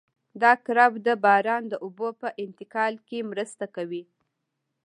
دا کرب د باران د اوبو په انتقال کې مرسته کوي